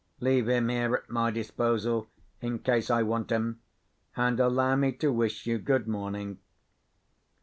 Leave him here at my disposal, in case I want him—and allow me to wish you good morning."